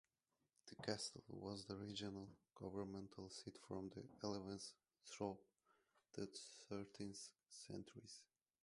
The castle was the regional governmental seat from the eleventh through the thirteenth centuries.